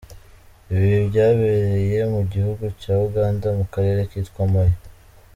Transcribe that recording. Ibi byabereye mu gihugu cya Uganda mu karere kitwa Moyo.